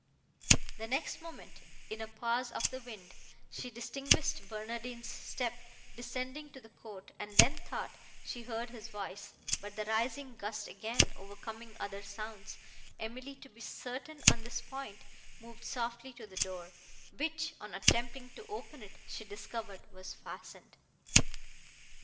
The next moment, in a pause of the wind, she distinguished Barnardine's step descending to the court, and then thought she heard his voice; but, the rising gust again overcoming other sounds, Emily, to be certain on this point, moved softly to the door, which, on attempting to open it, she discovered was fastened.